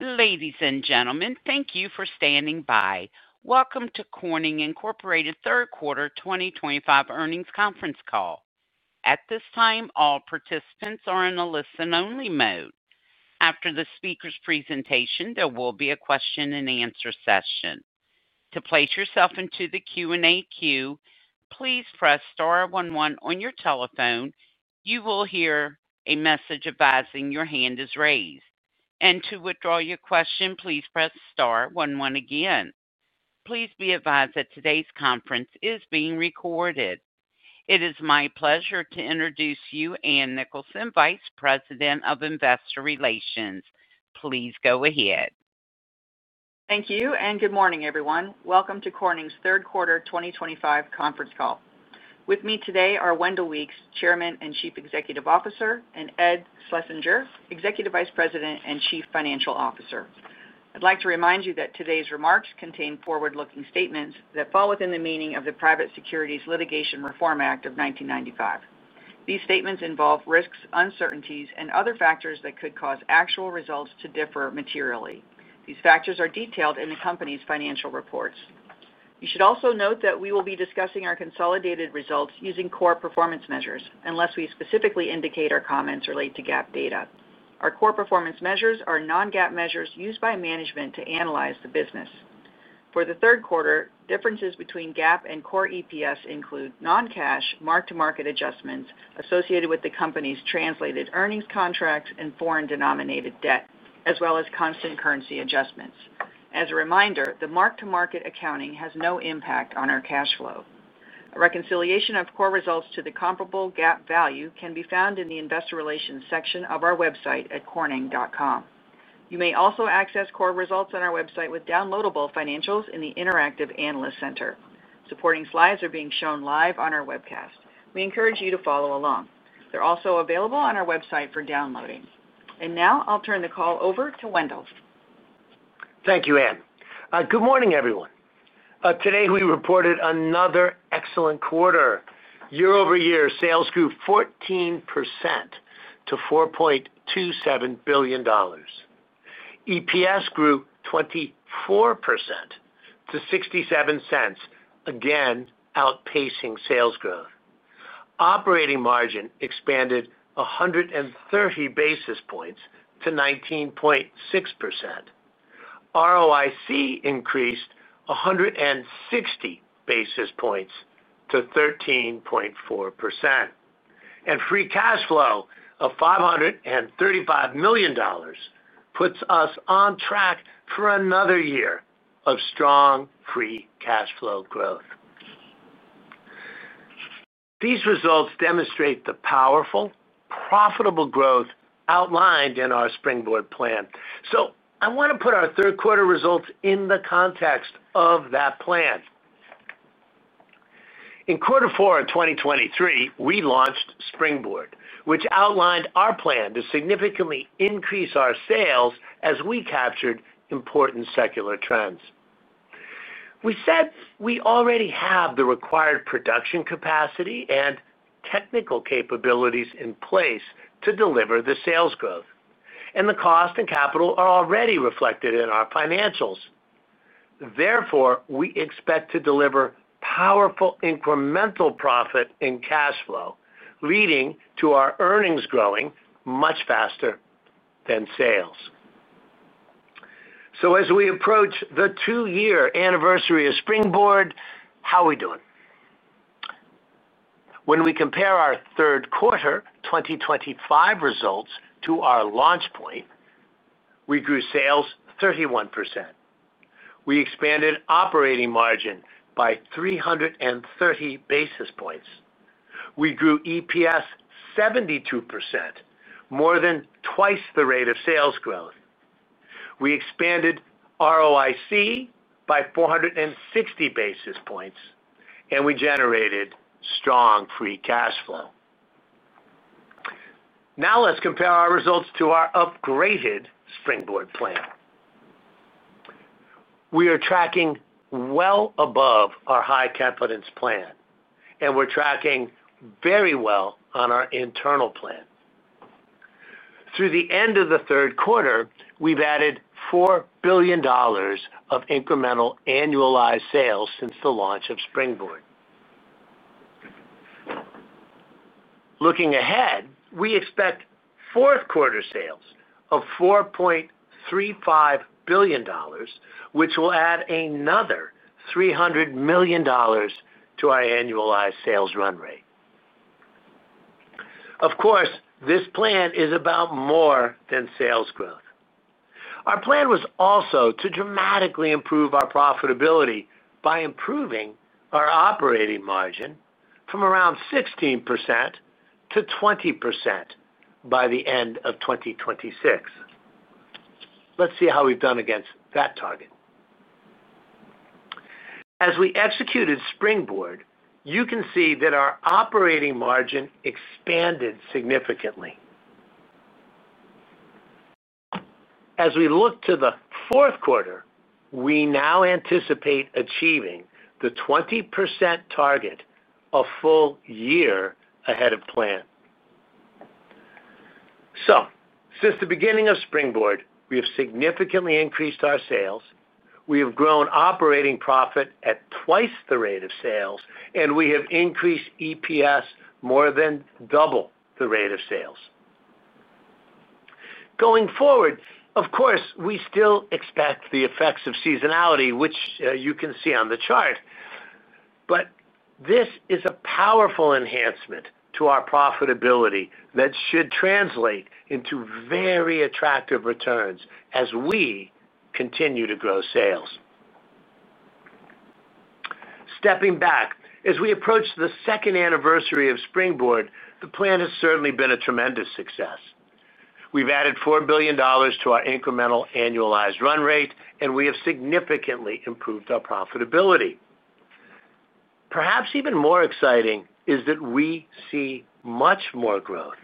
Ladies and gentlemen, thank you for standing by. Welcome to Corning Incorporated's third quarter 2025 earnings conference call. At this time, all participants are in a listen-only mode. After the speaker's presentation, there will be a question and answer session. To place yourself into the Q&A queue, please press star one one on your telephone. You will hear a message advising your hand is raised. To withdraw your question, please press star one one again. Please be advised that today's conference is being recorded. It is my pleasure to introduce you, Ann Nicholson, Vice President of Investor Relations. Please go ahead. Thank you, and good morning, everyone. Welcome to Corning Incorporated's third quarter 2025 conference call. With me today are Wendell Weeks, Chairman and Chief Executive Officer, and Ed Schlesinger, Executive Vice President and Chief Financial Officer. I'd like to remind you that today's remarks contain forward-looking statements that fall within the meaning of the Private Securities Litigation Reform Act of 1995. These statements involve risks, uncertainties, and other factors that could cause actual results to differ materially. These factors are detailed in the company's financial reports. You should also note that we will be discussing our consolidated results using core performance measures, unless we specifically indicate our comments relate to GAAP data. Our core performance measures are non-GAAP measures used by management to analyze the business. For the third quarter, differences between GAAP and core EPS include non-cash mark-to-market adjustments associated with the company's translated earnings contracts and foreign denominated debt, as well as constant currency adjustments. As a reminder, the mark-to-market accounting has no impact on our cash flow. A reconciliation of core results to the comparable GAAP value can be found in the Investor Relations section of our website at corning.com. You may also access core results on our website with downloadable financials in the interactive analyst center. Supporting slides are being shown live on our webcast. We encourage you to follow along. They're also available on our website for downloading. I'll turn the call over to Wendell. Thank you, Ann. Good morning, everyone. Today, we reported another excellent quarter. Year-over-year, sales grew 14% to $4.27 billion. EPS grew 24% to $0.67, again outpacing sales growth. Operating margin expanded 130 basis points to 19.6%. ROIC increased 160 basis points to 13.4%. Free cash flow of $535 million puts us on track for another year of strong free cash flow growth. These results demonstrate the powerful, profitable growth outlined in our Springboard plan. I want to put our third quarter results in the context of that plan. In quarter four of 2023, we launched Springboard, which outlined our plan to significantly increase our sales as we captured important secular trends. We said we already have the required production capacity and technical capabilities in place to deliver the sales growth. The cost and capital are already reflected in our financials. Therefore, we expect to deliver powerful incremental profit in cash flow, leading to our earnings growing much faster than sales. As we approach the two-year anniversary of Springboard, how are we doing? When we compare our third quarter 2025 results to our launch point, we grew sales 31%. We expanded operating margin by 330 basis points. We grew EPS 72%, more than twice the rate of sales growth. We expanded ROIC by 460 basis points, and we generated strong free cash flow. Now, let's compare our results to our upgraded Springboard plan. We are tracking well above our high-competence plan, and we're tracking very well on our internal plan. Through the end of the third quarter, we've added $4 billion of incremental annualized sales since the launch of Springboard. Looking ahead, we expect fourth quarter sales of $4.35 billion, which will add another $300 million to our annualized sales run rate. Of course, this plan is about more than sales growth. Our plan was also to dramatically improve our profitability by improving our operating margin from around 16% to 20% by the end of 2026. Let's see how we've done against that target. As we executed Springboard, you can see that our operating margin expanded significantly. As we look to the fourth quarter, we now anticipate achieving the 20% target a full year ahead of plan. Since the beginning of Springboard, we have significantly increased our sales. We have grown operating profit at twice the rate of sales, and we have increased EPS more than double the rate of sales. Going forward, of course, we still expect the effects of seasonality, which you can see on the chart. This is a powerful enhancement to our profitability that should translate into very attractive returns as we continue to grow sales. Stepping back, as we approach the second anniversary of Springboard, the plan has certainly been a tremendous success. We've added $4 billion to our incremental annualized run rate, and we have significantly improved our profitability. Perhaps even more exciting is that we see much more growth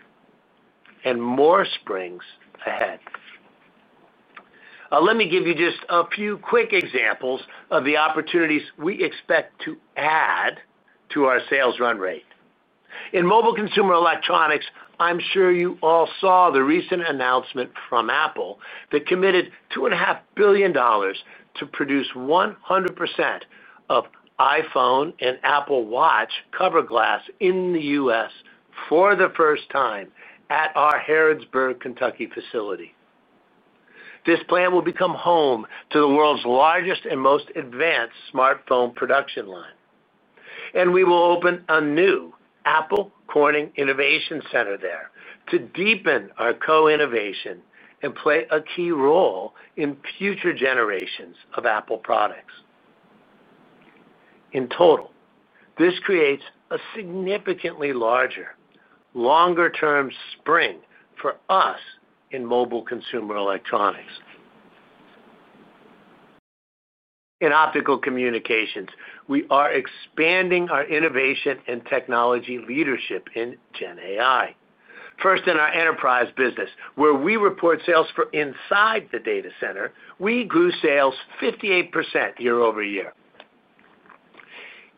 and more springs ahead. Let me give you just a few quick examples of the opportunities we expect to add to our sales run rate. In Mobile Consumer Electronics, I'm sure you all saw the recent announcement from Apple that committed $2.5 billion to produce 100% of iPhone and Apple Watch cover glass in the U.S. for the first time at our Harrodsburg, Kentucky facility. This plan will become home to the world's largest and most advanced smartphone production line. We will open a new Apple Corning Innovation Center there to deepen our co-innovation and play a key role in future generations of Apple products. In total, this creates a significantly larger, longer-term spring for us in Mobile Consumer Electronics. In Optical Communications, we are expanding our innovation and technology leadership in GenAI. First, in our enterprise business, where we report sales for inside the data center, we grew sales 58%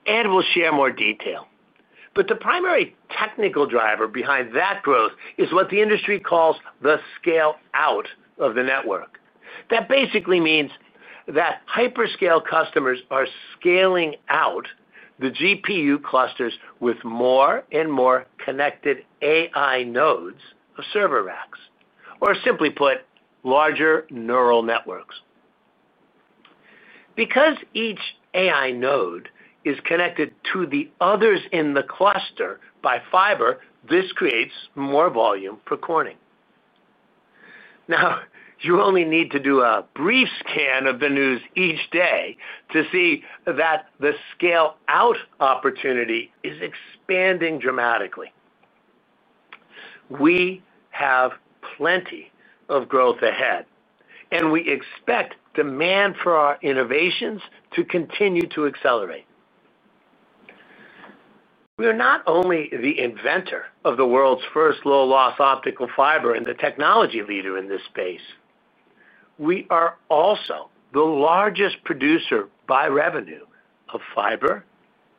year-over-year. We'll share more detail. The primary technical driver behind that growth is what the industry calls the scale-out of the network. That basically means that hyperscale customers are scaling out the GPU clusters with more and more connected AI nodes of server racks, or simply put, larger neural networks. Because each AI node is connected to the others in the cluster by fiber, this creates more volume for Corning. You only need to do a brief scan of the news each day to see that the scale-out opportunity is expanding dramatically. We have plenty of growth ahead, and we expect demand for our innovations to continue to accelerate. We are not only the inventor of the world's first low-loss optical fiber and the technology leader in this space. We are also the largest producer by revenue of fiber,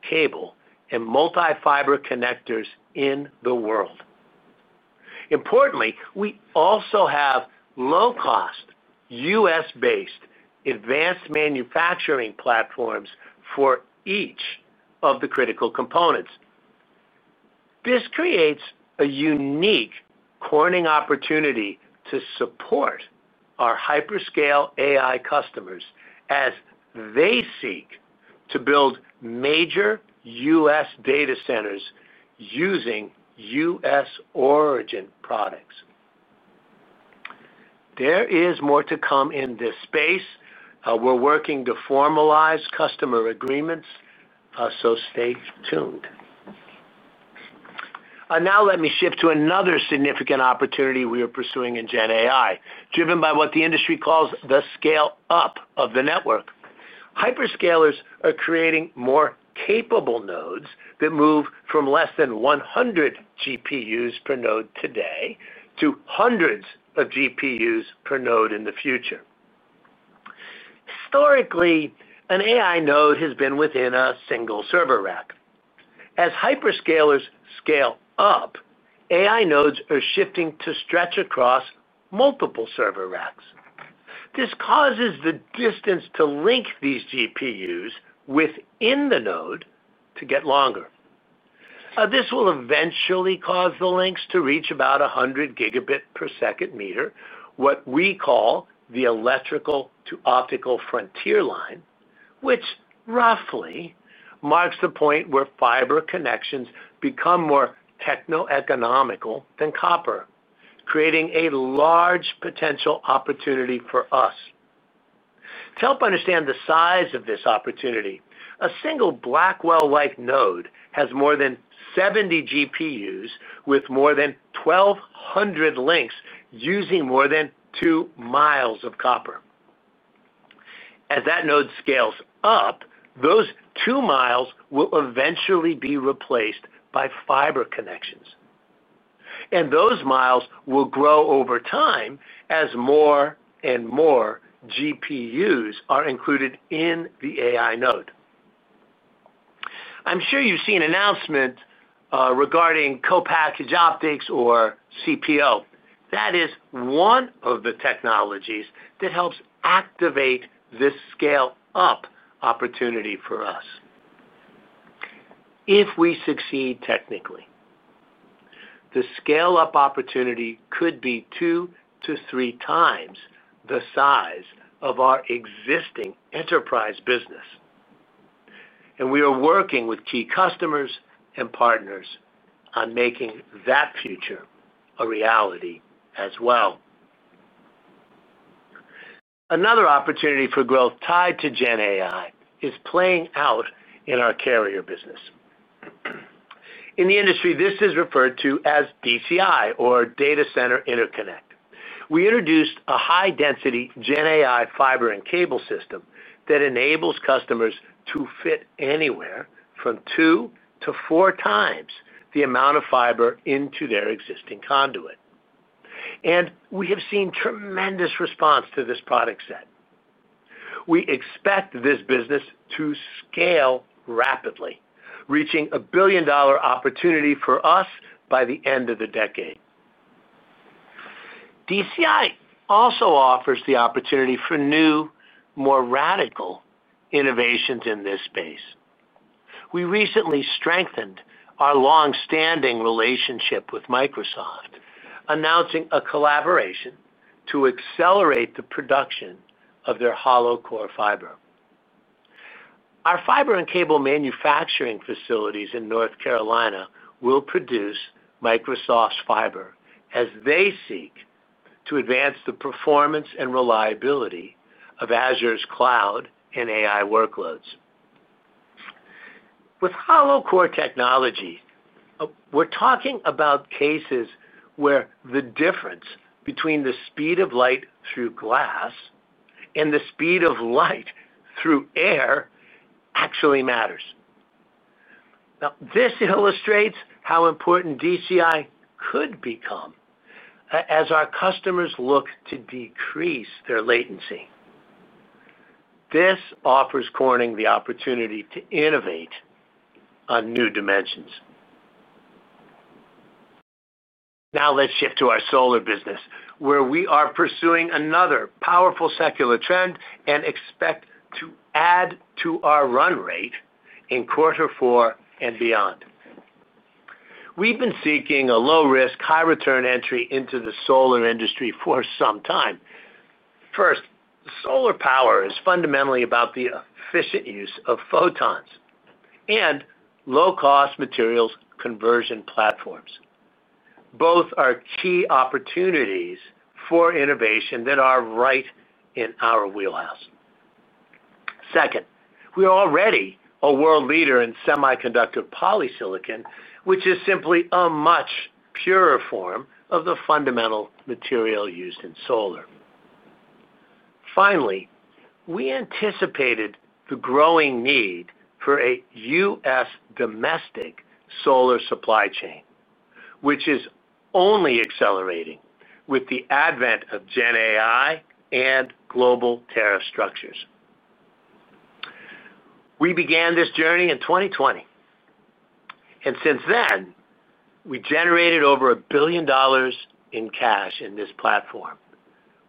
cable, and multi-fiber connectors in the world. Importantly, we also have low-cost, U.S.-based advanced manufacturing platforms for each of the critical components. This creates a unique Corning opportunity to support our hyperscale AI customers as they seek to build major U.S. data centers using U.S. origin products. There is more to come in this space. We're working to formalize customer agreements, so stay tuned. Now, let me shift to another significant opportunity we are pursuing in GenAI, driven by what the industry calls the scale-up of the network. Hyperscalers are creating more capable nodes that move from less than 100 GPUs per node today to hundreds of GPUs per node in the future. Historically, an AI node has been within a single server rack. As hyperscalers scale up, AI nodes are shifting to stretch across multiple server racks. This causes the distance to link these GPUs within the node to get longer. This will eventually cause the links to reach about 100 gigabit per second meter, what we call the electrical to optical frontier line, which roughly marks the point where fiber connections become more techno-economical than copper, creating a large potential opportunity for us. To help understand the size of this opportunity, a single Blackwell-like node has more than 70 GPUs with more than 1,200 links using more than two miles of copper. As that node scales up, those two miles will eventually be replaced by fiber connections. Those miles will grow over time as more and more GPUs are included in the AI node. I'm sure you've seen announcements regarding co-package optics or CPO. That is one of the technologies that helps activate this scale-up opportunity for us. If we succeed technically, the scale-up opportunity could be two to three times the size of our existing enterprise business. We are working with key customers and partners on making that future a reality as well. Another opportunity for growth tied to GenAI is playing out in our carrier business. In the industry, this is referred to as DCI or Data Center Interconnect. We introduced a high-density GenAI fiber and cable system that enables customers to fit anywhere from two to four times the amount of fiber into their existing conduit. We have seen tremendous response to this product set. We expect this business to scale rapidly, reaching a billion-dollar opportunity for us by the end of the decade. DCI also offers the opportunity for new, more radical innovations in this space. We recently strengthened our longstanding relationship with Microsoft, announcing a collaboration to accelerate the production of their hollow core fiber. Our fiber and cable manufacturing facilities in North Carolina will produce Microsoft's fiber as they seek to advance the performance and reliability of Azure's cloud and AI workloads. With hollow core technology, we're talking about cases where the difference between the speed of light through glass and the speed of light through air actually matters. This illustrates how important DCI could become as our customers look to decrease their latency. This offers Corning the opportunity to innovate on new dimensions. Now, let's shift to our solar business, where we are pursuing another powerful secular trend and expect to add to our run rate in quarter four and beyond. We've been seeking a low-risk, high-return entry into the solar industry for some time. First, solar power is fundamentally about the efficient use of photons and low-cost materials conversion platforms. Both are key opportunities for innovation that are right in our wheelhouse. Second, we are already a world leader in semiconductor polysilicon, which is simply a much purer form of the fundamental material used in solar. Finally, we anticipated the growing need for a U.S. domestic solar supply chain, which is only accelerating with the advent of GenAI and global terrastructures. We began this journey in 2020. Since then, we generated over $1 billion in cash in this platform.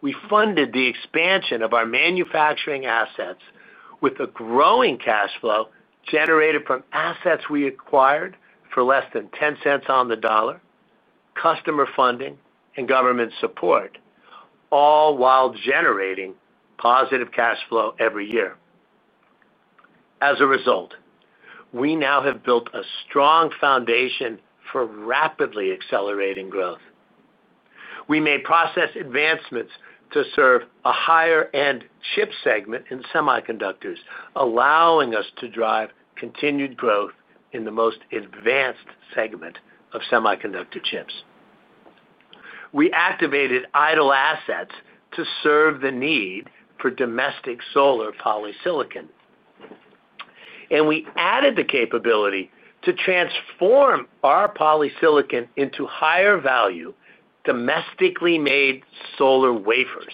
We funded the expansion of our manufacturing assets with a growing cash flow generated from assets we acquired for less than $0.10 on the dollar, customer funding, and government support, all while generating positive cash flow every year. As a result, we now have built a strong foundation for rapidly accelerating growth. We made process advancements to serve a higher-end chip segment in semiconductors, allowing us to drive continued growth in the most advanced segment of semiconductor chips. We activated idle assets to serve the need for domestic solar polysilicon. We added the capability to transform our polysilicon into higher-value domestically made solar wafers,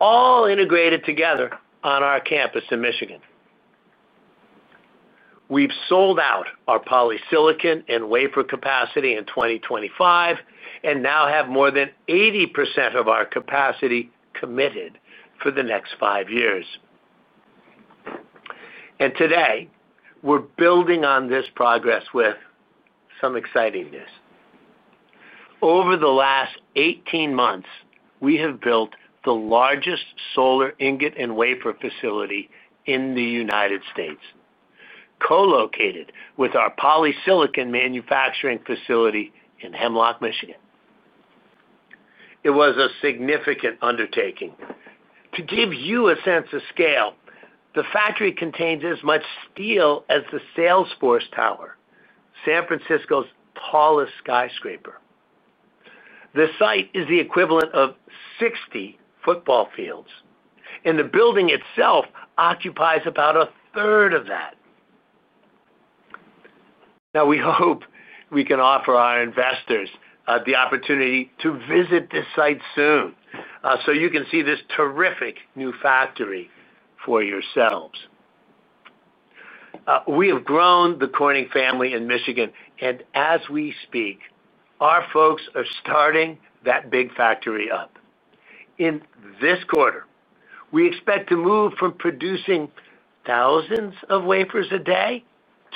all integrated together on our campus in Michigan. We've sold out our polysilicon and wafer capacity in 2025 and now have more than 80% of our capacity committed for the next five years. Today, we're building on this progress with some exciting news. Over the last 18 months, we have built the largest solar ingot and wafer facility in the United States, co-located with our polysilicon manufacturing facility in Hemlock, Michigan. It was a significant undertaking. To give you a sense of scale, the factory contains as much steel as the Salesforce Tower, San Francisco's tallest skyscraper. The site is the equivalent of 60 football fields, and the building itself occupies about a third of that. We hope we can offer our investors the opportunity to visit this site soon so you can see this terrific new factory for yourselves. We have grown the Corning family in Michigan, and as we speak, our folks are starting that big factory up. In this quarter, we expect to move from producing thousands of wafers a day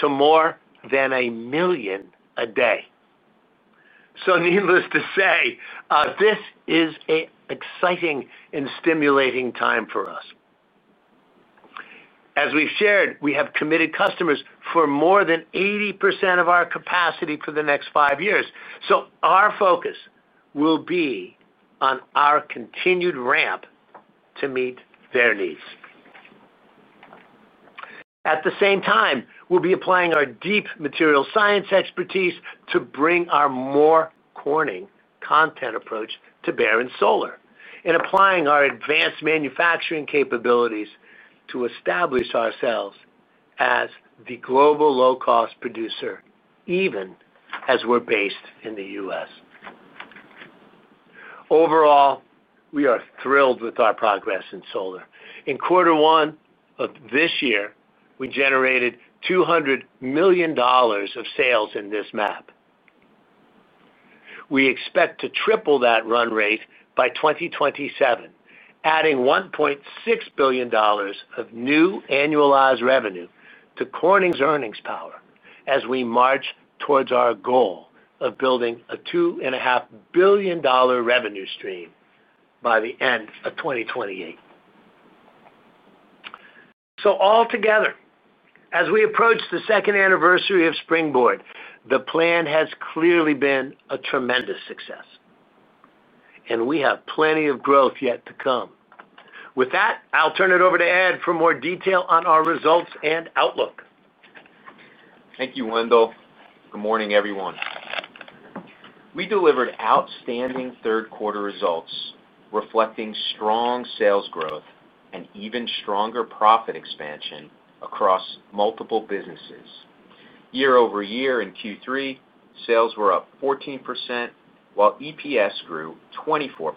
to more than a million a day. Needless to say, this is an exciting and stimulating time for us. As we've shared, we have committed customers for more than 80% of our capacity for the next five years. Our focus will be on our continued ramp to meet their needs. At the same time, we'll be applying our deep material science expertise to bring our more Corning content approach to bear in solar and applying our advanced manufacturing capabilities to establish ourselves as the global low-cost producer, even as we're based in the U.S. Overall, we are thrilled with our progress in solar. In quarter one of this year, we generated $200 million of sales in this map. We expect to triple that run rate by 2027, adding $1.6 billion of new annualized revenue to Corning's earnings power as we march towards our goal of building a $2.5 billion revenue stream by the end of 2028. Altogether, as we approach the second anniversary of Springboard, the plan has clearly been a tremendous success. We have plenty of growth yet to come. With that, I'll turn it over to Ed for more detail on our results and outlook. Thank you, Wendell. Good morning, everyone. We delivered outstanding third-quarter results, reflecting strong sales growth and even stronger profit expansion across multiple businesses. Year over year, in Q3, sales were up 14%, while EPS grew 24%.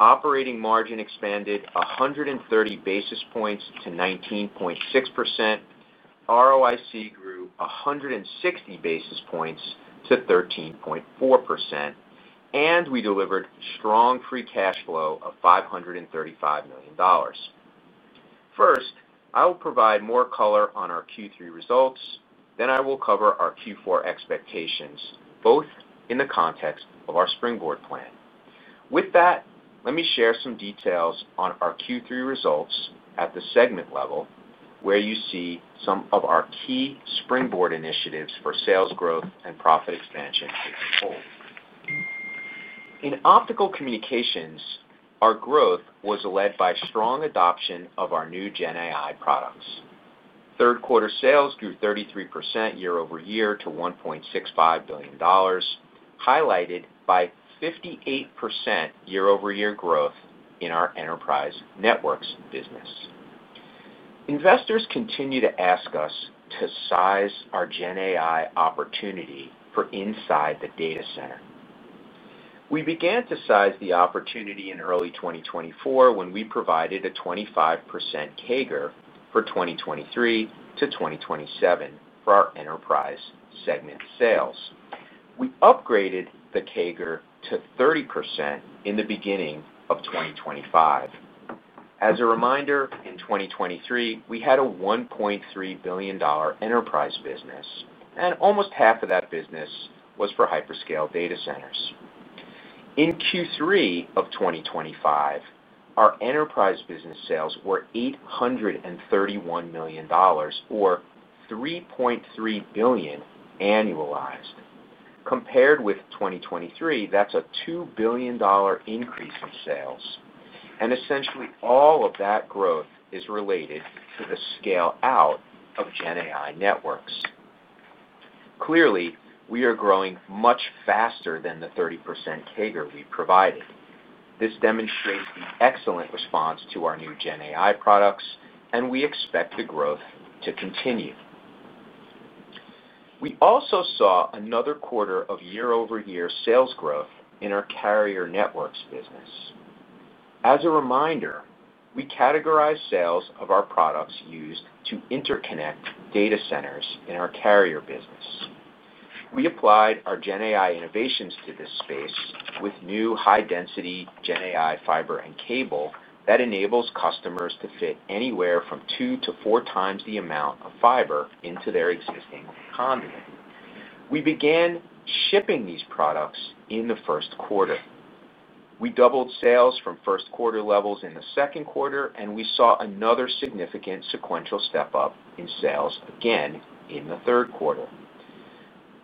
Operating margin expanded 130 basis points to 19.6%. ROIC grew 160 basis points to 13.4%. And we delivered strong free cash flow of $535 million. First, I will provide more color on our Q3 results. Then I will cover our Q4 expectations, both in the context of our Springboard plan. With that, let me share some details on our Q3 results at the segment level, where you see some of our key Springboard initiatives for sales growth and profit expansion as a whole. In Optical Communications, our growth was led by strong adoption of our new GenAI products. Third-quarter sales grew 33% year-over-year to $1.65 billion, highlighted by 58% year-over-year growth in our enterprise networks business. Investors continue to ask us to size our GenAI opportunity for inside the data center. We began to size the opportunity in early 2024 when we provided a 25% CAGR for 2023 to 2027 for our enterprise segment sales. We upgraded the CAGR to 30% in the beginning of 2025. As a reminder, in 2023, we had a $1.3 billion enterprise business, and almost half of that business was for hyperscale data centers. In Q3 of 2025, our enterprise business sales were $831 million, or $3.3 billion annualized. Compared with 2023, that's a $2 billion increase in sales. Essentially, all of that growth is related to the scale-out of GenAI networks. Clearly, we are growing much faster than the 30% CAGR we provided. This demonstrates the excellent response to our new GenAI products, and we expect the growth to continue. We also saw another quarter of year-over-year sales growth in our carrier networks business. As a reminder, we categorize sales of our products used to interconnect data centers in our carrier business. We applied our GenAI innovations to this space with new high-density GenAI fiber and cable that enables customers to fit anywhere from two to four times the amount of fiber into their existing conduit. We began shipping these products in the first quarter. We doubled sales from first-quarter levels in the second quarter, and we saw another significant sequential step up in sales again in the third quarter.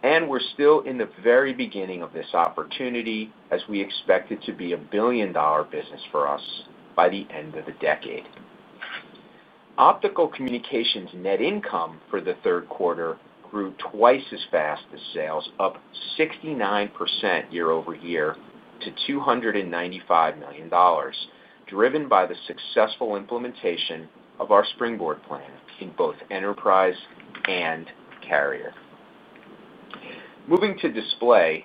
And we are still in the very beginning of this opportunity as we expect it to be a billion-dollar business for us by the end of the decade. Optical Communications net income for the third quarter grew twice as fast as sales, up 69% year-over-year to $295 million, driven by the successful implementation of our Springboard plan in both enterprise and carrier. Moving to Display,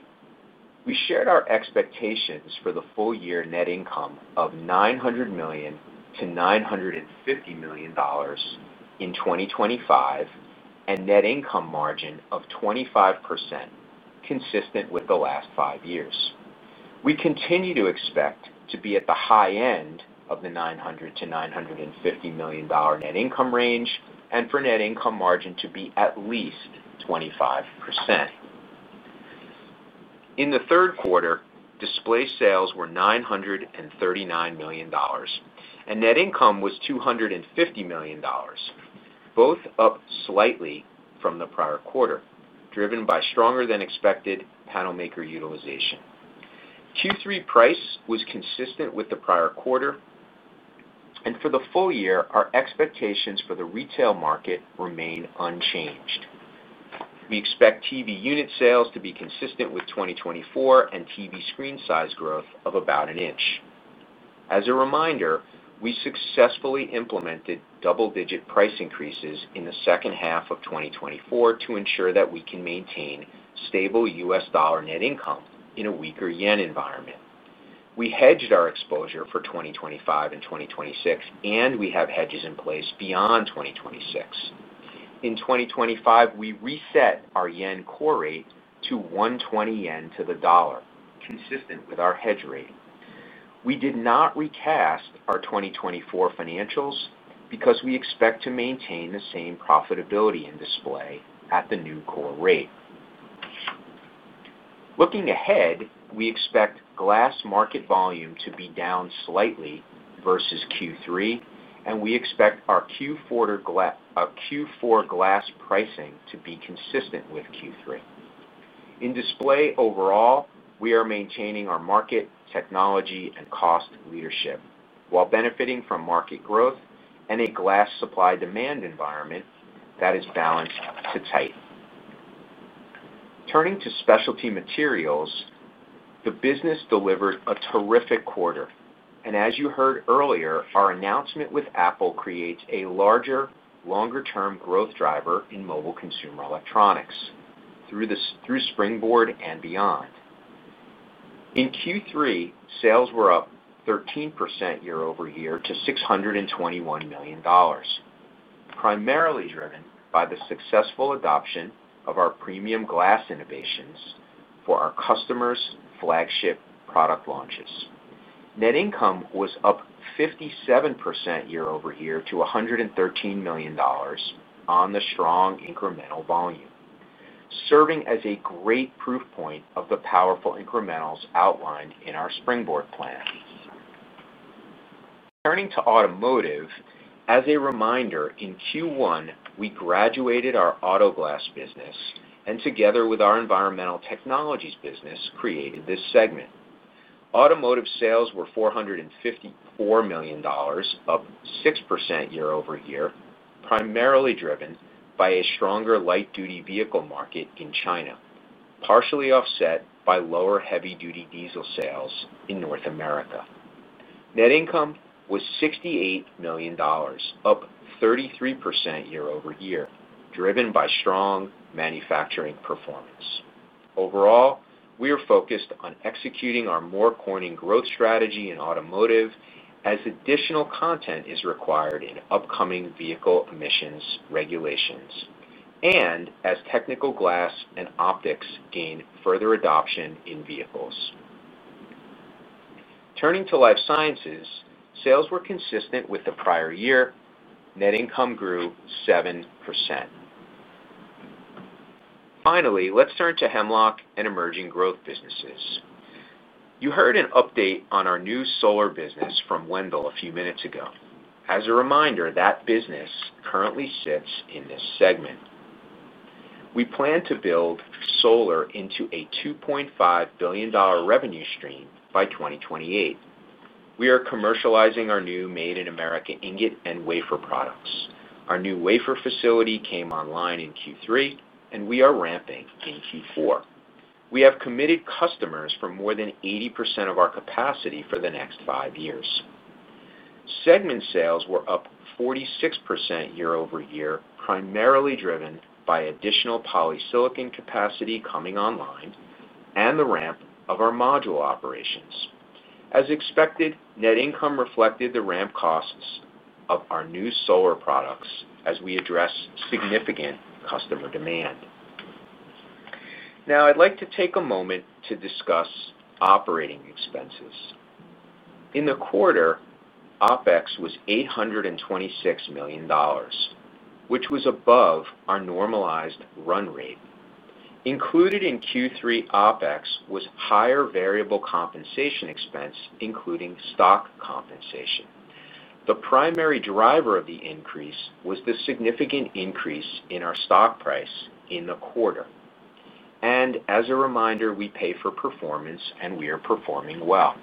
we shared our expectations for the full-year net income of $900 million-$950 million in 2025 and a net income margin of 25%, consistent with the last five years. We continue to expect to be at the high end of the $900 million-$950 million net income range and for net income margin to be at least 25%. In the third quarter, Display sales were $939 million, and net income was $250 million, both up slightly from the prior quarter, driven by stronger than expected panel maker utilization. Q3 price was consistent with the prior quarter, and for the full year, our expectations for the retail market remain unchanged. We expect TV unit sales to be consistent with 2024 and TV screen size growth of about an inch. As a reminder, we successfully implemented double-digit price increases in the second half of 2024 to ensure that we can maintain stable U.S. dollar net income in a weaker yen environment. We hedged our exposure for 2025 and 2026, and we have hedges in place beyond 2026. In 2025, we reset our yen core rate to 120 yen to the dollar, consistent with our hedge rate. We did not recast our 2024 financials because we expect to maintain the same profitability in Display at the new core rate. Looking ahead, we expect glass market volume to be down slightly versus Q3, and we expect our Q4 glass pricing to be consistent with Q3. In Display overall, we are maintaining our market, technology, and cost leadership while benefiting from market growth and a glass supply-demand environment that is balanced to tight. Turning to Specialty Materials, the business delivered a terrific quarter. As you heard earlier, our announcement with Apple creates a larger, longer-term growth driver in Mobile Consumer Electronics through Springboard and beyond. In Q3, sales were up 13% year-over-year to $621 million, primarily driven by the successful adoption of our premium glass innovations for our customers' flagship product launches. Net income was up 57% year-over-year to $113 million on the strong incremental volume, serving as a great proof point of the powerful incrementals outlined in our Springboard plan. Turning to automotive, as a reminder, in Q1, we graduated our Automotive Glass business and together with our Environmental Technologies business created this segment. Automotive sales were $454 million, up 6% year-over-year, primarily driven by a stronger light-duty vehicle market in China, partially offset by lower heavy-duty diesel sales in North America. Net income was $68 million, up 33% year-over-year, driven by strong manufacturing performance. Overall, we are focused on executing our more Corning growth strategy in automotive as additional content is required in upcoming vehicle emissions regulations and as technical glass and optics gain further adoption in vehicles. Turning to Life Sciences, sales were consistent with the prior year. Net income grew 7%. Finally, let's turn to Hemlock and emerging growth businesses. You heard an update on our new solar business from Wendell Weeks a few minutes ago. As a reminder, that business currently sits in this segment. We plan to build solar into a $2.5 billion revenue stream by 2028. We are commercializing our new Made in America ingot and wafer products. Our new wafer facility came online in Q3, and we are ramping in Q4. We have committed customers for more than 80% of our capacity for the next five years. Segment sales were up 46% year-over-year, primarily driven by additional polysilicon capacity coming online and the ramp of our module operations. As expected, net income reflected the ramp costs of our new solar products as we address significant customer demand. Now, I'd like to take a moment to discuss operating expenses. In the quarter, OpEx was $826 million, which was above our normalized run rate. Included in Q3 OpEx was higher variable compensation expense, including stock compensation. The primary driver of the increase was the significant increase in our stock price in the quarter. And as a reminder, we pay for performance, and we are performing well.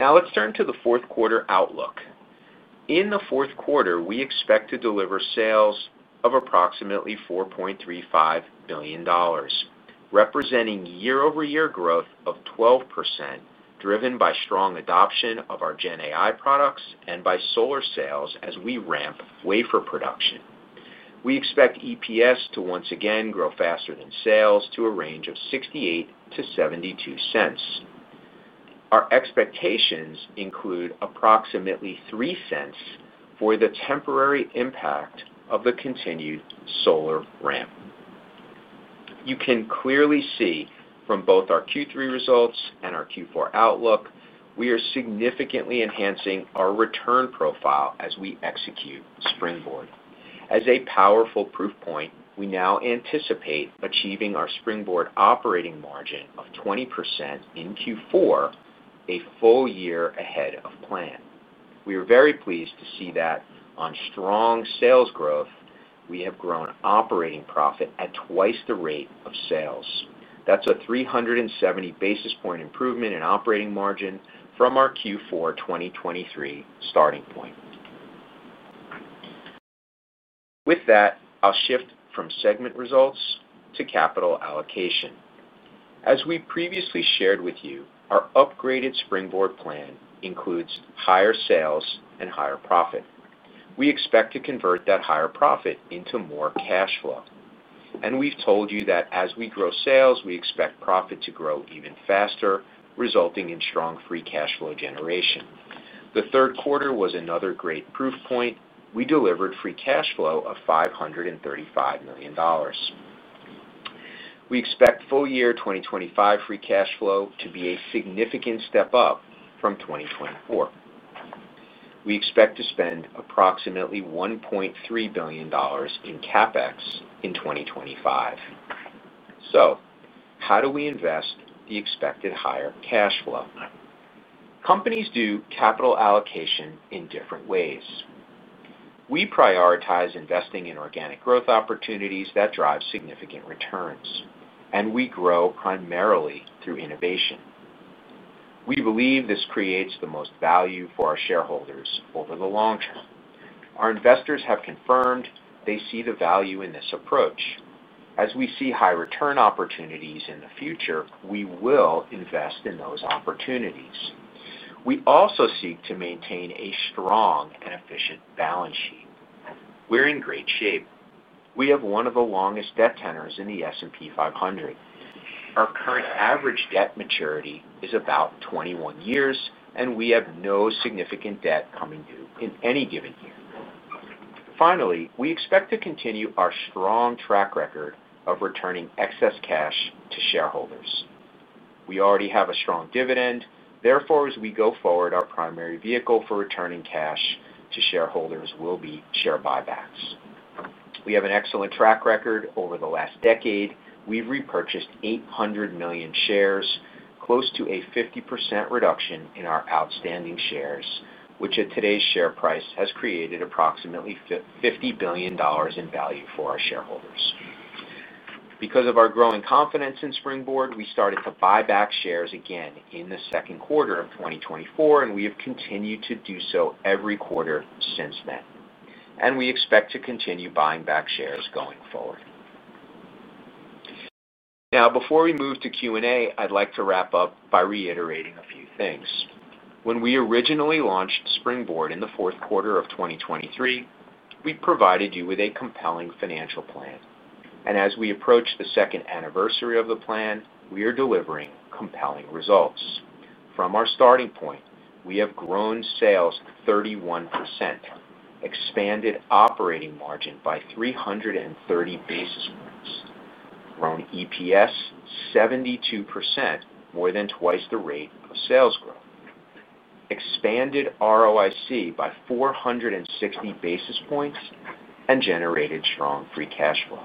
Now, let's turn to the fourth quarter outlook. In the fourth quarter, we expect to deliver sales of approximately $4.35 billion, representing year-over-year growth of 12%, driven by strong adoption of our GenAI fiber and cable systems and by solar sales as we ramp wafer production. We expect EPS to once again grow faster than sales to a range of $0.68-$0.72. Our expectations include approximately $0.03 for the temporary impact of the continued solar ramp. You can clearly see from both our Q3 results and our Q4 outlook, we are significantly enhancing our return profile as we execute Springboard. As a powerful proof point, we now anticipate achieving our Springboard operating margin of 20% in Q4, a full year ahead of plan. We are very pleased to see that on strong sales growth, we have grown operating profit at twice the rate of sales. That's a 370 basis point improvement in operating margin from our Q4 2023 starting point. With that, I'll shift from segment results to capital allocation. As we previously shared with you, our upgraded Springboard plan includes higher sales and higher profit. We expect to convert that higher profit into more cash flow. We've told you that as we grow sales, we expect profit to grow even faster, resulting in strong free cash flow generation. The third quarter was another great proof point. We delivered free cash flow of $535 million. We expect full-year 2025 free cash flow to be a significant step up from 2024. We expect to spend approximately $1.3 billion in CapEx in 2025. How do we invest the expected higher cash flow? Companies do capital allocation in different ways. We prioritize investing in organic growth opportunities that drive significant returns, and we grow primarily through innovation. We believe this creates the most value for our shareholders over the long term. Our investors have confirmed they see the value in this approach. As we see high return opportunities in the future, we will invest in those opportunities. We also seek to maintain a strong and efficient balance sheet. We're in great shape. We have one of the longest debt tenors in the S&P 500. Our current average debt maturity is about 21 years, and we have no significant debt coming due in any given year. Finally, we expect to continue our strong track record of returning excess cash to shareholders. We already have a strong dividend. Therefore, as we go forward, our primary vehicle for returning cash to shareholders will be share buybacks. We have an excellent track record over the last decade. We've repurchased 800 million shares, close to a 50% reduction in our outstanding shares, which at today's share price has created approximately $50 billion in value for our shareholders. Because of our growing confidence in Springboard, we started to buy back shares again in the second quarter of 2024, and we have continued to do so every quarter since then. We expect to continue buying back shares going forward. Now, before we move to Q&A, I'd like to wrap up by reiterating a few things. When we originally launched Springboard in the fourth quarter of 2023, we provided you with a compelling financial plan. As we approach the second anniversary of the plan, we are delivering compelling results. From our starting point, we have grown sales 31%, expanded operating margin by 330 basis points, grown EPS 72%, more than twice the rate of sales growth, expanded ROIC by 460 basis points, and generated strong free cash flow.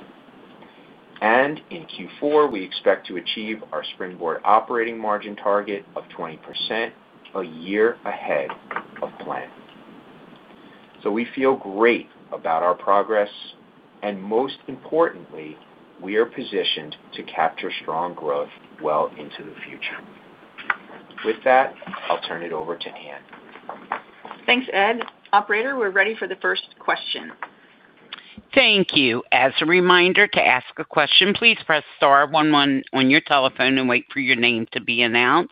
In Q4, we expect to achieve our Springboard operating margin target of 20% a year ahead of plan. We feel great about our progress, and most importantly, we are positioned to capture strong growth well into the future. With that, I'll turn it over to Ann. Thanks, Ed. Operator, we're ready for the first question. Thank you. As a reminder, to ask a question, please press star one one on your telephone and wait for your name to be announced.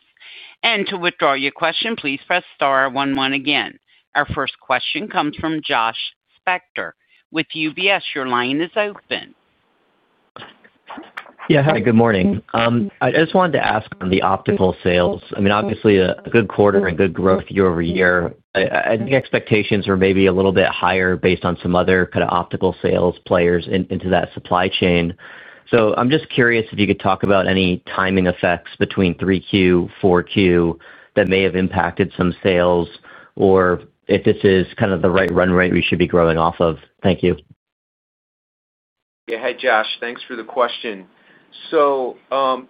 To withdraw your question, please press star one one again. Our first question comes from Joshua Spector with UBS. Your line is open. Yeah, hi. Good morning. I just wanted to ask on the optical sales. Obviously, a good quarter and good growth year over year. I think expectations are maybe a little bit higher based on some other kind of optical sales players into that supply chain. I'm just curious if you could talk about any timing effects between 3Q, 4Q that may have impacted some sales or if this is kind of the right run rate we should be growing off of. Thank you. Yeah, hey, Josh, thanks for the question. So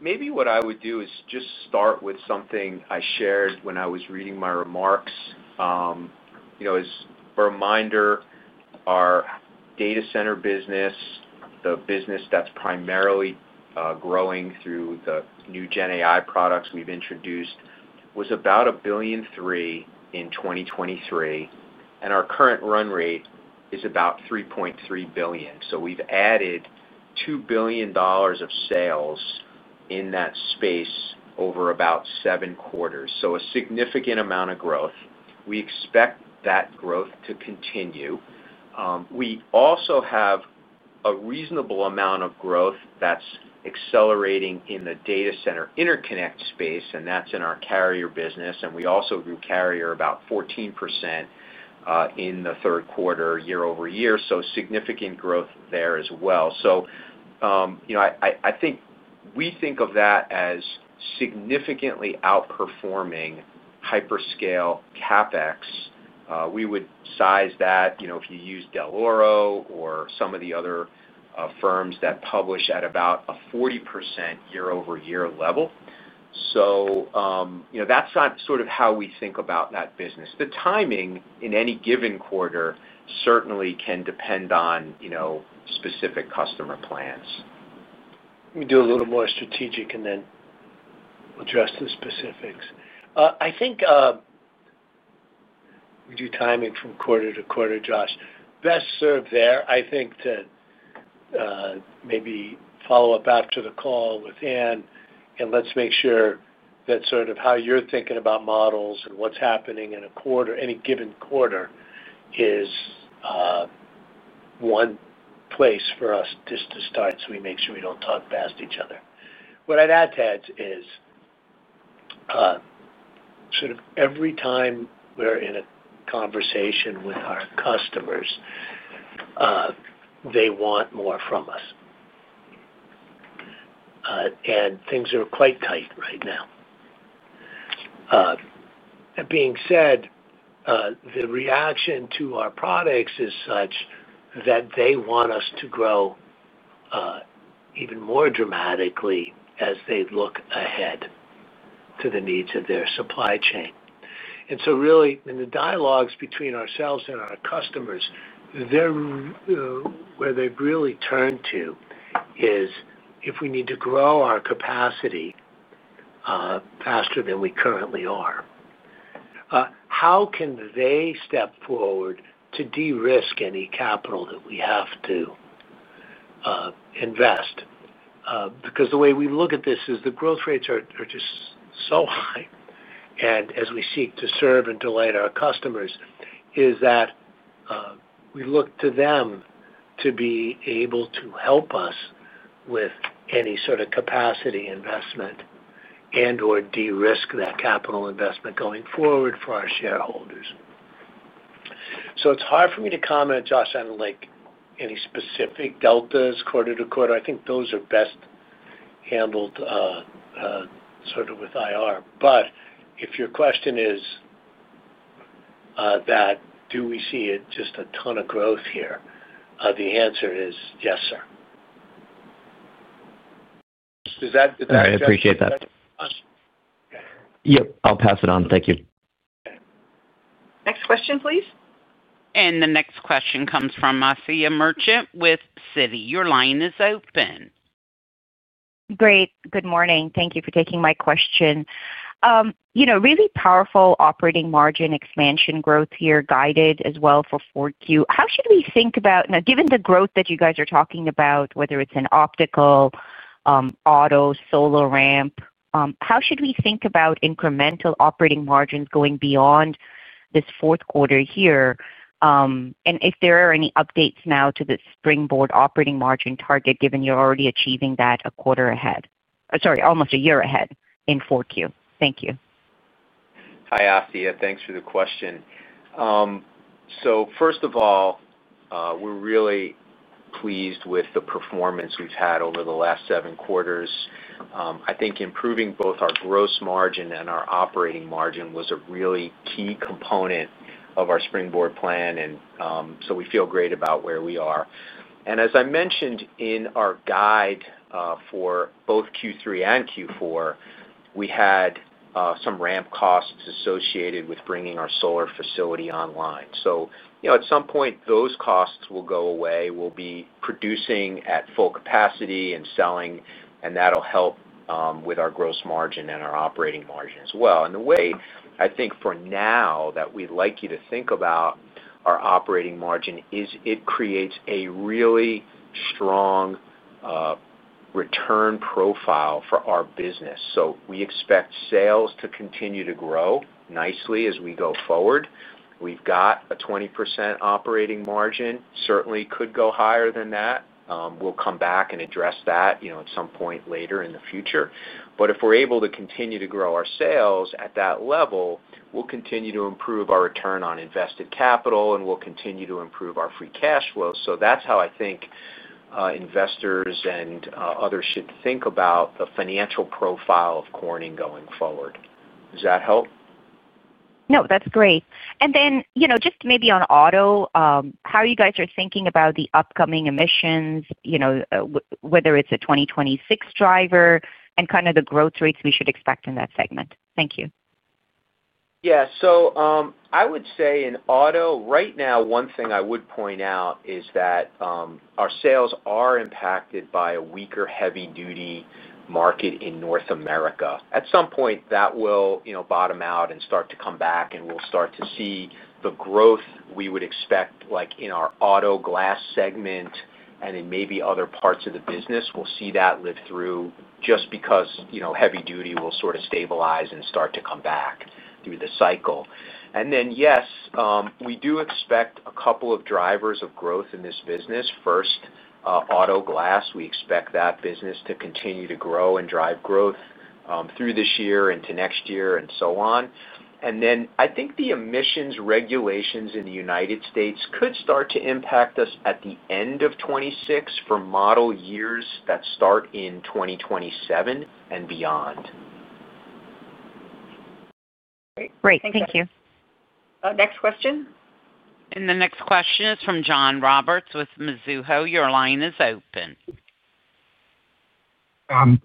maybe what I would do is just start with something I shared when I was reading my remarks. You know, as a reminder, our data center business, the business that's primarily growing through the new GenAI products we've introduced, was about $1.3 billion in 2023, and our current run rate is about $3.3 billion. We've added $2 billion of sales in that space over about seven quarters, a significant amount of growth. We expect that growth to continue. We also have a reasonable amount of growth that's accelerating in the Data Center Interconnect space, and that's in our carrier business. We also grew carrier about 14% in the third quarter year over year, significant growth there as well. I think we think of that as significantly outperforming hyperscale CapEx. We would size that, if you use Dell'Oro or some of the other firms that publish, at about a 40% year-over-year level. That's not sort of how we think about that business. The timing in any given quarter certainly can depend on specific customer plans. Let me do a little more strategic and then address the specifics. I think we do timing from quarter-to-quarter, Josh. Best served there, I think to maybe follow up after the call with Ann, and let's make sure that sort of how you're thinking about models and what's happening in a quarter, any given quarter is one place for us just to start so we make sure we don't talk past each other. What I'd add is sort of every time we're in a conversation with our customers, they want more from us. Things are quite tight right now. That being said, the reaction to our products is such that they want us to grow even more dramatically as they look ahead to the needs of their supply chain. And so really, in the dialogues between ourselves and our customers, where they've really turned to is if we need to grow our capacity faster than we currently are. How can they step forward to de-risk any capital that we have to invest? The way we look at this is the growth rates are just so high. As we seek to serve and delight our customers, we look to them to be able to help us with any sort of capacity investment and/or de-risk that capital investment going forward for our shareholders. It's hard for me to comment, Josh, on any specific deltas quarter-to-quarter. I think those are best handled with IR. But if your question is that do we see just a ton of growth here, the answer is yes, sir. Yeah, I appreciate that. I'll pass it on. Thank you. Next question, please. The next question comes from Asiya Merchant with Citi. Your line is open. Great. Good morning. Thank you for taking my question. Really powerful operating margin expansion growth here, guided as well for 4Q. How should we think about now, given the growth that you guys are talking about, whether it's in Optical, auto, solar ramp, how should we think about incremental operating margins going beyond this fourth quarter here? If there are any updates now to the Springboard operating margin target, given you're already achieving that a quarter ahead, sorry, almost a year ahead in 4Q. Thank you. Hi, Asiya. Thanks for the question. First of all, we're really pleased with the performance we've had over the last seven quarters. I think improving both our gross margin and our operating margin was a really key component of our Springboard plan. We feel great about where we are. As I mentioned in our guide, for both Q3 and Q4, we had some ramp costs associated with bringing our solar facility online. At some point, those costs will go away. We'll be producing at full capacity and selling, and that'll help with our gross margin and our operating margin as well. The way I think for now that we'd like you to think about our operating margin is it creates a really strong return profile for our business. We expect sales to continue to grow nicely as we go forward. We've got a 20% operating margin. Certainly could go higher than that. We'll come back and address that at some point later in the future. If we're able to continue to grow our sales at that level, we'll continue to improve our return on invested capital, and we'll continue to improve our free cash flow. That's how I think investors and others should think about the financial profile of Corning going forward. Does that help? No, that's great. Maybe on auto, how you guys are thinking about the upcoming emissions, whether it's a 2026 driver and the growth rates we should expect in that segment. Thank you. Yeah. I would say in auto right now, one thing I would point out is that our sales are impacted by a weaker heavy-duty market in North America. At some point, that will bottom out and start to come back, and we'll start to see the growth we would expect, like in our Automotive Glass segment and in maybe other parts of the business. We'll see that live through just because heavy-duty will sort of stabilize and start to come back through the cycle. Yes, we do expect a couple of drivers of growth in this business. First, Automotive Glass. We expect that business to continue to grow and drive growth through this year into next year and so on. I think the emissions regulations in the U.S. could start to impact us at the end of 2026 for model years that start in 2027 and beyond. Great, thank you. Next question. The next question is from John Roberts with Mizuho. Your line is open.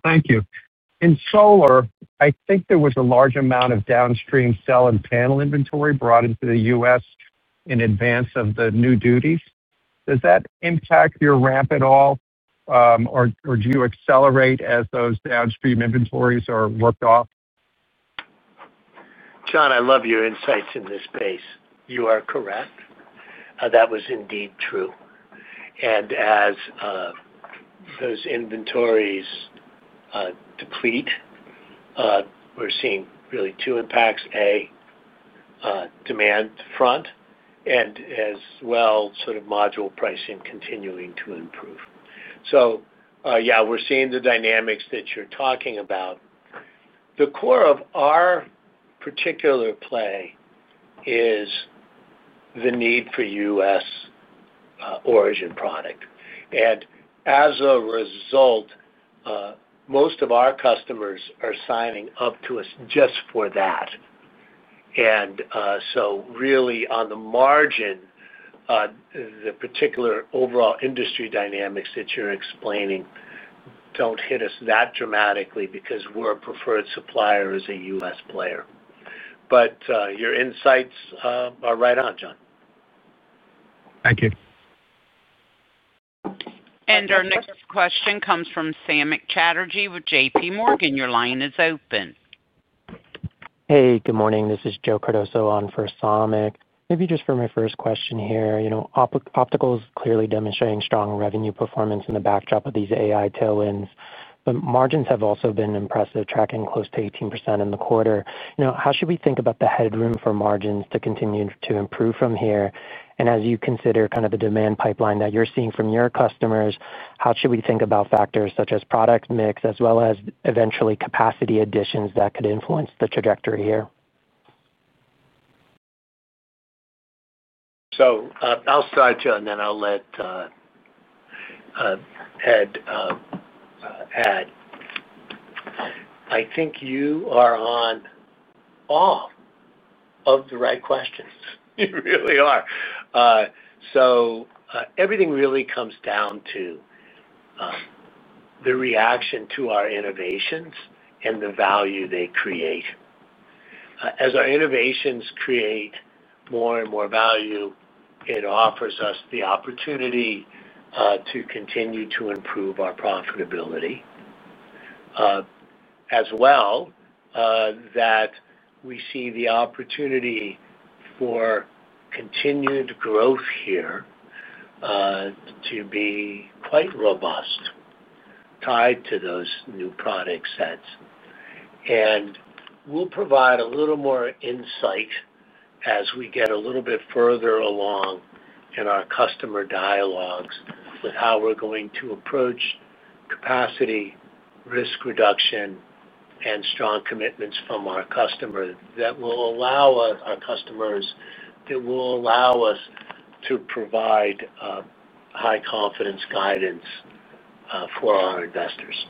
Thank you. In solar, I think there was a large amount of downstream cell and panel inventory brought into the U.S. in advance of the new duties. Does that impact your ramp at all, or do you accelerate as those downstream inventories are worked off? John, I love your insights in this space. You are correct, that was indeed true. As those inventories deplete, we're seeing really two impacts: a demand front and as well, sort of module pricing continuing to improve. Yeah, we're seeing the dynamics that you're talking about. The core of our particular play is the need for U.S. origin product. As a result, most of our customers are signing up to us just for that. Really, on the margin, the particular overall industry dynamics that you're explaining don't hit us that dramatically because we're a preferred supplier as a U.S. player. Your insights are right on, John. Thank you. Our next question comes from Samik Chatterjee with JPMorgan. Your line is open. Hey, good morning. This is Joe Cardoso on Foursomic. Maybe just for my first question here, you know, Optical is clearly demonstrating strong revenue performance in the backdrop of these AI tailwinds. Margins have also been impressive, tracking close to 18% in the quarter. How should we think about the headroom for margins to continue to improve from here? As you consider kind of the demand pipeline that you're seeing from your customers, how should we think about factors such as product mix, as well as eventually capacity additions that could influence the trajectory here? I'll start, Joe, and then I'll let Ed add. I think you are on all of the right questions. You really are. Everything really comes down to the reaction to our innovations and the value they create. As our innovations create more and more value, it offers us the opportunity to continue to improve our profitability. As well, we see the opportunity for continued growth here to be quite robust tied to those new product sets. We'll provide a little more insight as we get a little bit further along in our customer dialogues with how we're going to approach capacity, risk reduction, and strong commitments from our customers that will allow us to provide high-confidence guidance for our investors.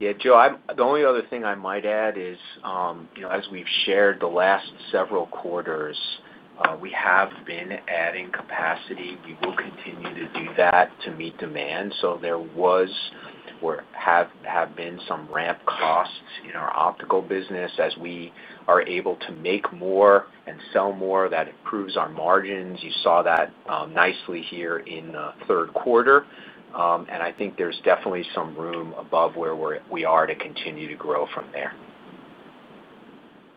Yeah, Joe, the only other thing I might add is, you know, as we've shared the last several quarters, we have been adding capacity. We will continue to do that to meet demand. There have been some ramp costs in our Optical Communications business. As we are able to make more and sell more, that improves our margins. You saw that nicely here in the third quarter. I think there's definitely some room above where we are to continue to grow from there.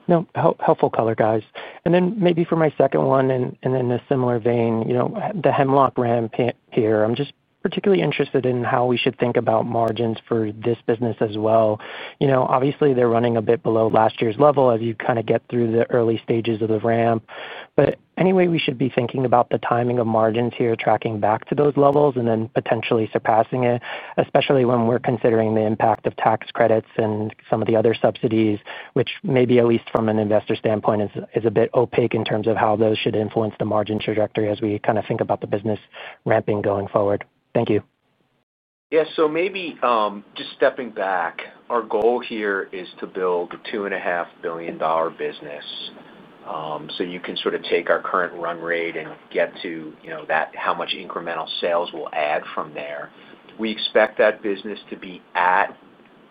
Nope helpful color guides. For my second one, in a similar vein, the Hemlock ramp here, I'm just particularly interested in how we should think about margins for this business as well. Obviously, they're running a bit below last year's level as you kind of get through the early stages of the ramp. Any way we should be thinking about the timing of margins here, tracking back to those levels and then potentially surpassing it, especially when we're considering the impact of tax credits and some of the other subsidies, which maybe at least from an investor standpoint is a bit opaque in terms of how those should influence the margin trajectory as we kind of think about the business ramping going forward. Thank you. Yeah, so maybe just stepping back, our goal here is to build a $2.5 billion business. You can sort of take our current run rate and get to, you know, how much incremental sales we'll add from there. We expect that business to be at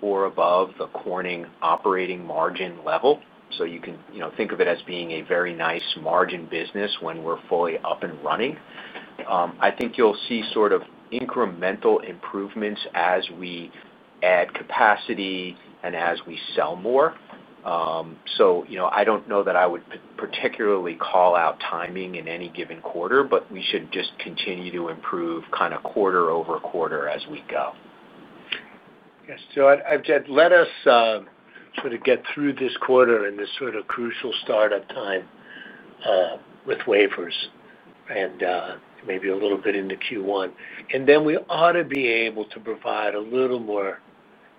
or above the Corning operating margin level. You can, you know, think of it as being a very nice margin business when we're fully up and running. I think you'll see sort of incremental improvements as we add capacity and as we sell more. I don't know that I would particularly call out timing in any given quarter, but we should just continue to improve kind of quarter over quarter as we go. Yes, Joe, let us get through this quarter in this crucial startup time with wafers and maybe a little bit into Q1. Then we ought to be able to provide a little more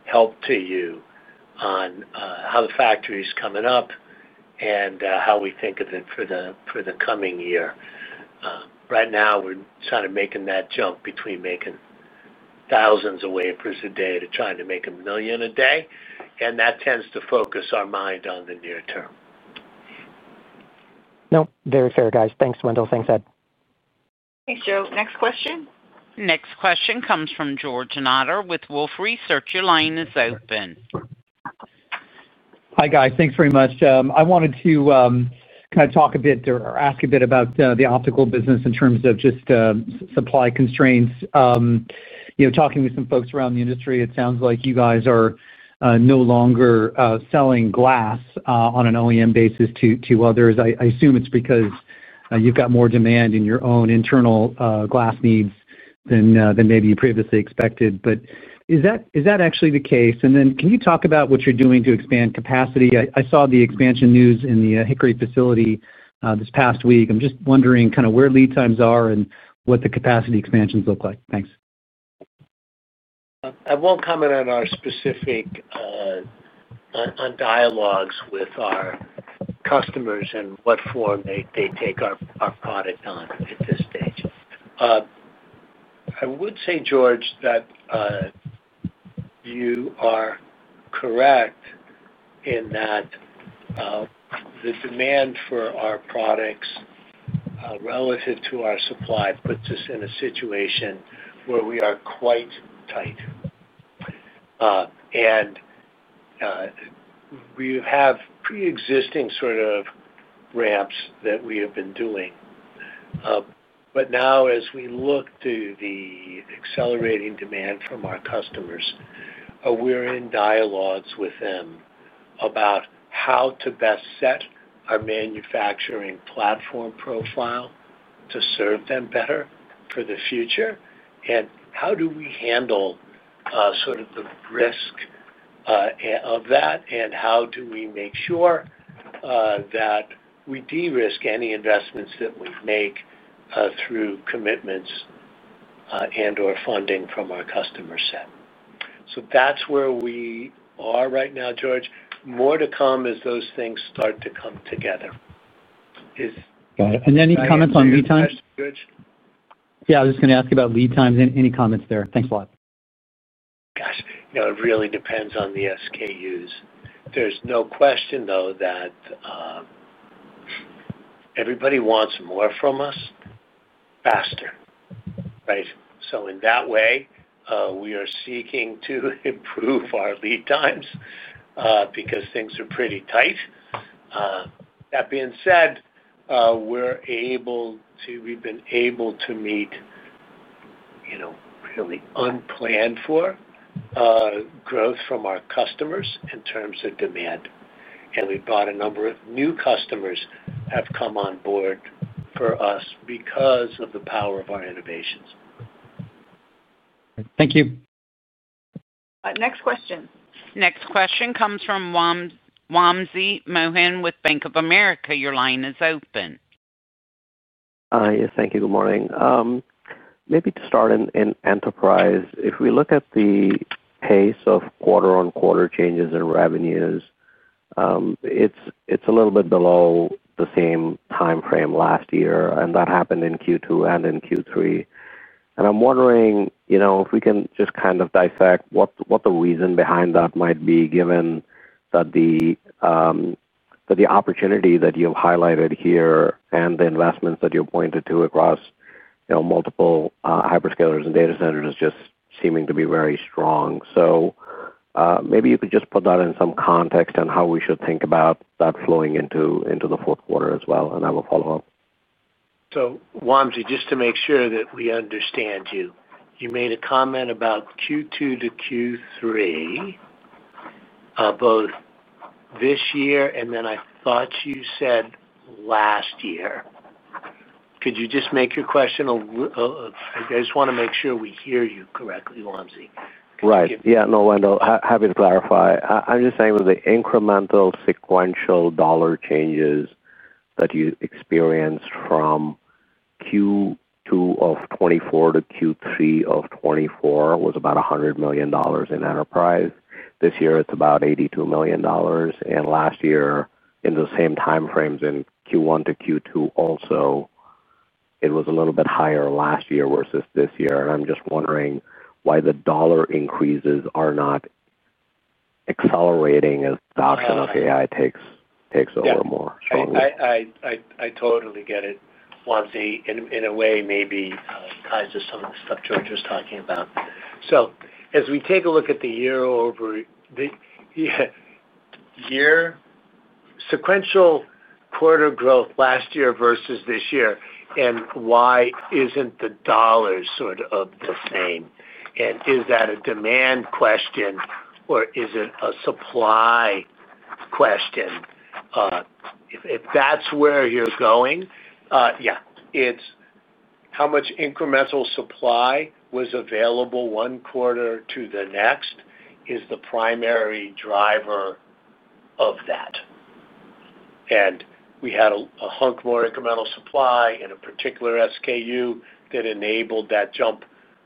help to you on how the factory is coming up and how we think of it for the coming year. Right now, we're making that jump between making thousands of wafers a day to trying to make a million a day. That tends to focus our mind on the near term. No, very fair, guys. Thanks, Wendell. Thanks, Ed. Thanks, Joe. Next question. Next question comes from George Notter with Wolfe Research. Your line is open. Hi, guys. Thanks very much. I wanted to kind of talk a bit or ask a bit about the Optical Communications business in terms of just supply constraints. You know, talking with some folks around the industry, it sounds like you guys are no longer selling glass on an OEM basis to others. I assume it's because you've got more demand in your own internal glass needs than maybe you previously expected. Is that actually the case? Can you talk about what you're doing to expand capacity? I saw the expansion news in the Hickory facility this past week. I'm just wondering where lead times are and what the capacity expansions look like. Thanks. I won't comment on our specific dialogues with our customers and what form they take our product on at this stage. I would say, George, that you are correct in that the demand for our products relative to our supply puts us in a situation where we are quite tight. We have pre-existing sort of ramps that we have been doing. Now, as we look to the accelerating demand from our customers, we're in dialogues with them about how to best set our manufacturing platform profile to serve them better for the future. How do we handle, sort of, the risk of that? How do we make sure that we de-risk any investments that we make through commitments and/or funding from our customer set? That's where we are right now, George. More to come as those things start to come together. Got it. Any comments on lead times? Yeah, I was just going to ask about lead times and any comments there. Thanks a lot. Gosh, you know, it really depends on the SKUs. There's no question, though, that everybody wants more from us faster, right? In that way, we are seeking to improve our lead times, because things are pretty tight. That being said, we've been able to meet, you know, really unplanned for growth from our customers in terms of demand. We've brought a number of new customers who have come on board for us because of the power of our innovations. Thank you. Next question. Next question comes from Wamsi Mohan with Bank of America. Your line is open. Yes, thank you. Good morning. Maybe to start in enterprise, if we look at the pace of quarter-on-quarter changes in revenues, it's a little bit below the same timeframe last year. That happened in Q2 and in Q3. I'm wondering if we can just kind of dissect what the reason behind that might be, given that the opportunity that you've highlighted here and the investments that you're pointing to across multiple hyperscalers and data centers is just seeming to be very strong. Maybe you could just put that in some context on how we should think about that flowing into the fourth quarter as well. I have a follow-up. Wamsi, just to make sure that we understand you, you made a comment about Q2 to Q3, both this year and then I thought you said last year. Could you just make your question a little clearer? I just want to make sure we hear you correctly, Wamsi. Right. Yeah, no, Wendell, happy to clarify. I'm just saying with the incremental sequential dollar changes that you experienced from Q2 of 2024 to Q3 of 2024, it was about $100 million in enterprise. This year, it's about $82 million. Last year, in the same timeframes, in Q1 to Q2 also, it was a little bit higher last year versus this year. I'm just wondering why the dollar increases are not accelerating as the adoption of AI takes over more strongly. I totally get it, Wamsi, in a way maybe tied to some of the stuff George was talking about. As we take a look at the year-over-year sequential quarter growth last year versus this year and why isn't the dollar sort of the same? Is that a demand question or is it a supply question? If that's where you're going, yeah, it's how much incremental supply was available one quarter to the next is the primary driver of that. We had a hunk more incremental supply in a particular SKU that enabled that jump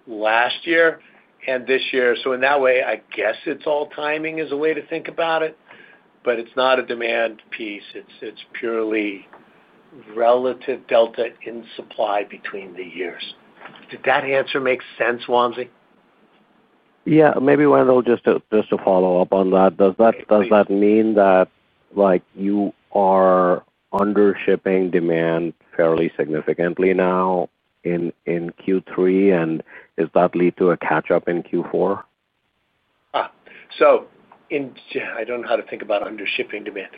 last year and this year. In that way, I guess it's all timing is a way to think about it. It's not a demand piece. It's purely relative delta in supply between the years. Did that answer make sense, Wamsi? Yeah, maybe Wendell, just a follow-up on that. Does that mean that you are undershipping demand fairly significantly now in Q3? Does that lead to a catch-up in Q4? So, I don't know how to think about undershipping demand.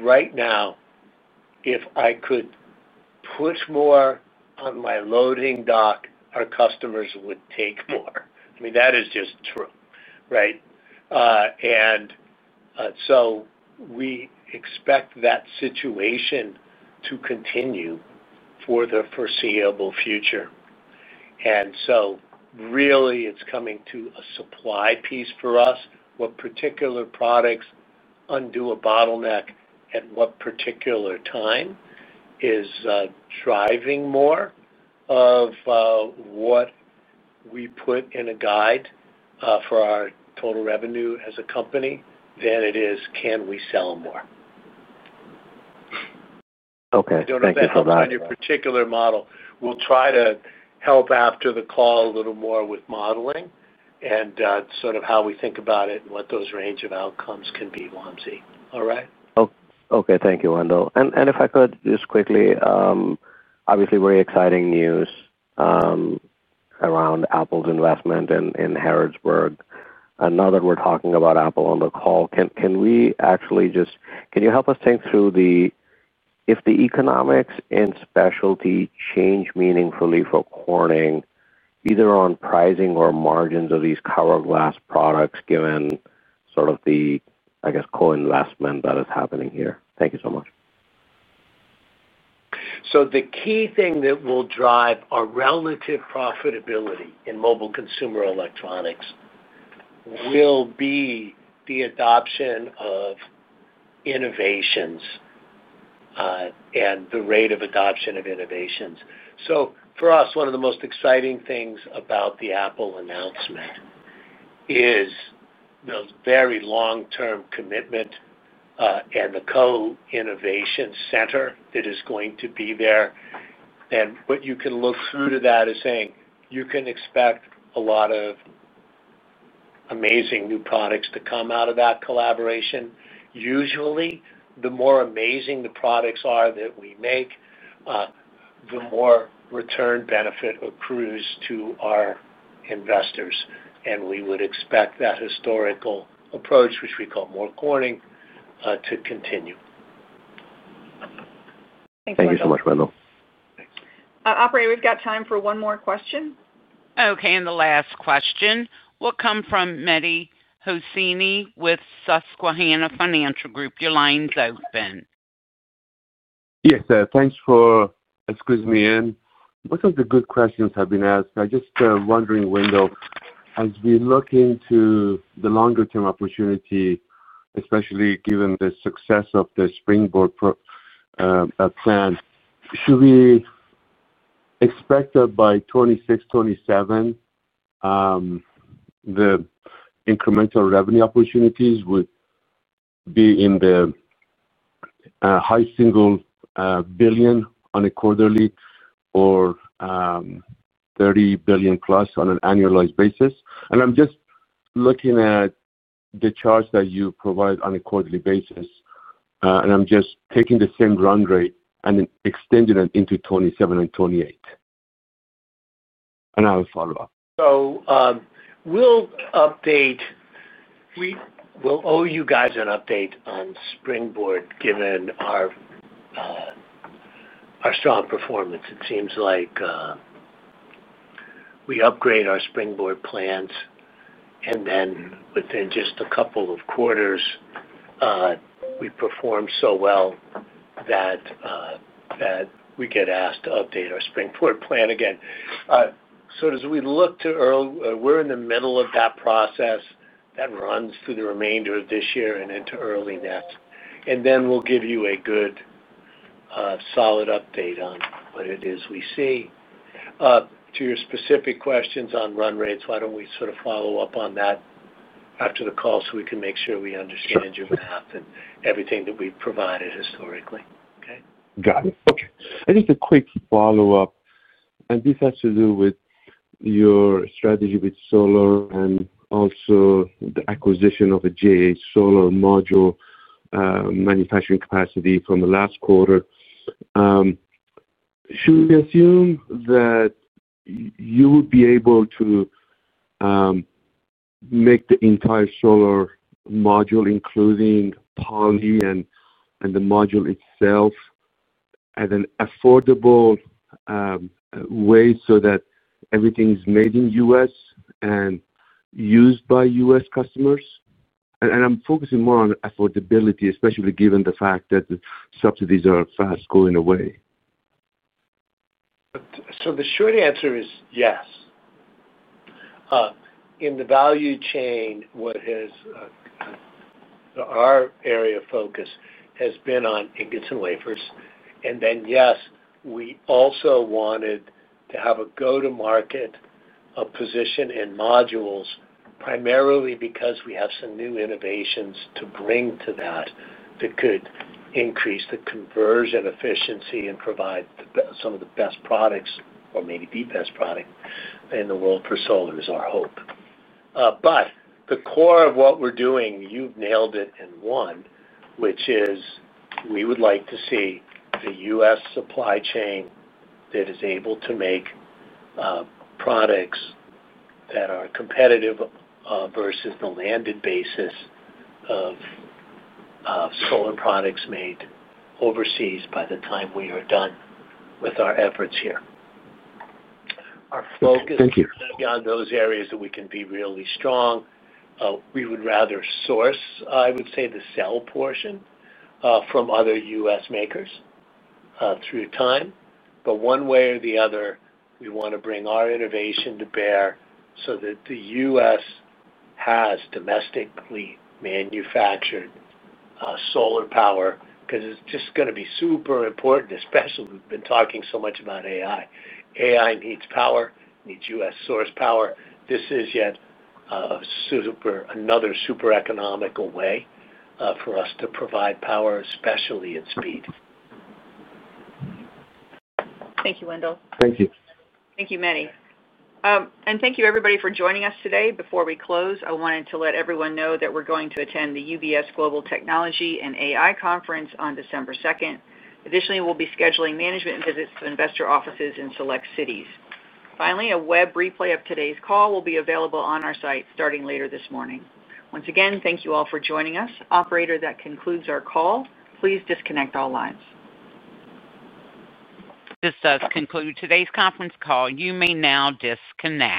Right now, if I could put more on my loading dock, our customers would take more. That is just true, right? We expect that situation to continue for the foreseeable future. It is coming to a supply piece for us. What particular products undo a bottleneck at what particular time is driving more of what we put in a guide for our total revenue as a company than it is can we sell more? Okay, thanks for that. I don't know if that's on your particular model. We'll try to help after the call a little more with modeling and how we think about it and what those range of outcomes can be, Wamsi. All right? Okay. Thank you, Wendell. Obviously very exciting news around Apple's investment in Harrodsburg. Now that we're talking about Apple on the call, can you help us think through if the economics in Specialty Materials change meaningfully for Corning, either on pricing or margins of these cover glass products, given the co-investment that is happening here? Thank you so much. So the key thing that will drive our relative profitability in Mobile Consumer Electronics will be the adoption of innovations and the rate of adoption of innovations. For us, one of the most exciting things about the Apple announcement is the very long-term commitment and the co-innovation center that is going to be there. What you can look through to that is saying you can expect a lot of amazing new products to come out of that collaboration. Usually, the more amazing the products are that we make, the more return benefit accrues to our investors. We would expect that historical approach, which we call more Corning, to continue. Thanks, Wamsi. Thank you so much, Wendell. Operator, we've got time for one more question. Okay. The last question will come from Mehdi Hosseini with Susquehanna Financial Group. Your line's open. Yes, sir. Thanks for excusing me, Ann. Most of the good questions have been asked. I'm just wondering, Wendell, as we look into the longer-term opportunity, especially given the success of the Springboard plan, should we expect that by 2026, 2027, the incremental revenue opportunities would be in the high single billion on a quarterly or $30 billion plus on an annualized basis? I'm just looking at the charts that you provide on a quarterly basis, and I'm just taking the same run rate and extending it into 2027 and 2028. I'll follow up. We'll owe you guys an update on the Springboard plan given our strong performance. It seems like we upgrade our Springboard plans, and then within just a couple of quarters, we perform so well that we get asked to update our Springboard plan again. As we look to early, we're in the middle of that process that runs through the remainder of this year and into early next. We'll give you a good, solid update on what it is we see. To your specific questions on run rates, why don't we sort of follow up on that after the call so we can make sure we understand your math and everything that we've provided historically, okay? Got it. Okay. I just have a quick follow-up. This has to do with your strategy with solar and also the acquisition of a JH Solar module manufacturing capacity from the last quarter. Should we assume that you would be able to make the entire solar module, including poly and the module itself, in an affordable way so that everything's made in the U.S. and used by U.S. customers? I'm focusing more on affordability, especially given the fact that the subsidies are fast going away. Yes, in the value chain, our area of focus has been on ingots and wafers. Yes, we also wanted to have a go-to-market position in modules, primarily because we have some new innovations to bring to that that could increase the conversion efficiency and provide some of the best products or maybe the best product in the world for solar is our hope. The core of what we're doing, you've nailed it in one, which is we would like to see a U.S. supply chain that is able to make products that are competitive versus the landed basis of solar products made overseas by the time we are done with our efforts here. Our focus should be on those areas that we can be really strong. We would rather source, I would say, the sell portion from other U.S. makers through time. But one way or the other, we want to bring our innovation to bear so that the U.S. has domestically manufactured solar power because it's just going to be super important, especially we've been talking so much about AI. AI needs power, needs U.S. source power. This is yet another super economical way for us to provide power, especially at speed. Thank you, Wendell. Thank you. Thank you, Mehdi. Thank you, everybody, for joining us today. Before we close, I wanted to let everyone know that we're going to attend the UBS Global Technology and AI Conference on December 2nd. Additionally, we'll be scheduling management visits to investor offices in select cities. Finally, a web replay of today's call will be available on our site starting later this morning. Once again, thank you all for joining us. Operator, that concludes our call. Please disconnect all lines. does conclude today's conference call. You may now disconnect.